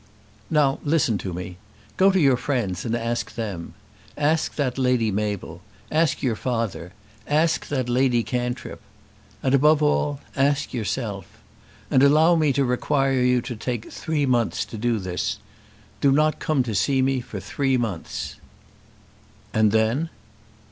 "Now listen to me. Go to your friends and ask them. Ask that Lady Mabel; ask your father; ask that Lady Cantrip. And above all, ask yourself. And allow me to require you to take three months to do this. Do not come to see me for three months." "And then?"